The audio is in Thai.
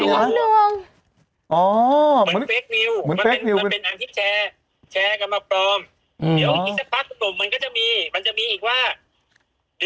เดี๋ยวอีกสักพักมันก็จะมีมันจะมีอีกว่า